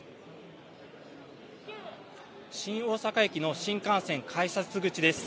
新大阪駅の新幹線改札口です。